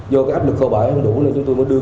do cái áp lực khâu bãi không đủ nên chúng tôi mới đưa